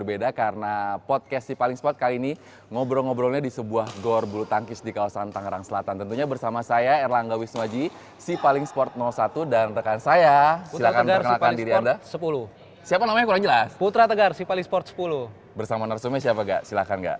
bersama narsumnya siapa gak silahkan gak